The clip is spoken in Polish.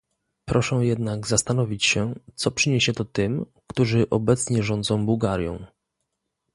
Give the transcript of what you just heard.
Proszę jednak zastanowić się, co przyniesie to tym, którzy obecnie rządzą Bułgarią